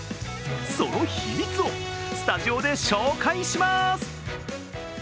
その秘密をスタジオで紹介します。